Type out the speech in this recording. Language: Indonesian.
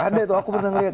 ada tuh aku pernah lihat